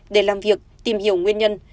để làm việc tìm hiểu nguyên nhân